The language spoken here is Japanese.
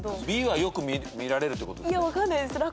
Ｂはよく見られるってことですね？